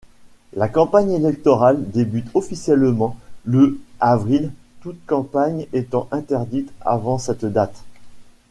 La campagne électorale débute officiellement le avril, toute campagne étant interdite avant cette date.